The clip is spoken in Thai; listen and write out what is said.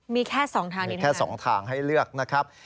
มีแค่๒ทางนี้นะแค่๒ทางให้เลือกนะครับ